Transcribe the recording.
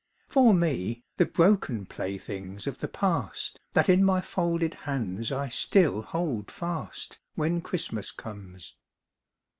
For me, the broken playthings of the past That in my folded hands I still hold fast, When Christmas comes.